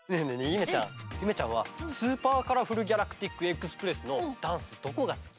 ゆめちゃんゆめちゃんは「スーパーカラフルギャラクティックエクスプレス」のダンスどこがすき？